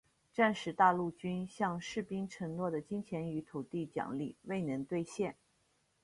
战时大陆军向士兵承诺的金钱与土地奖励未能兑现。